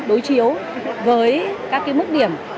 đối chiếu với các cái mức điểm